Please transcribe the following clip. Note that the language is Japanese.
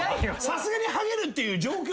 「さすがにハゲる」っていうのが。